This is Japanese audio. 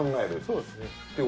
そうですね。